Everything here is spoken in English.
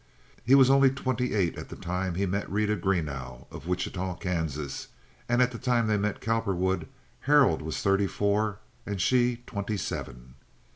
He was only twenty eight at the time he met Rita Greenough, of Wichita, Kansas, and at the time they met Cowperwood Harold was thirty four and she twenty seven.